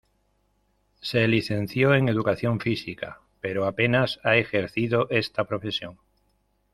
Se licenció en Educación Física, pero apenas ha ejercido esta profesión.